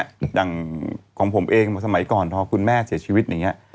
อย่างของผมเองสมัยก่อนพอคุณแม่เสียชีวิตอย่างนี้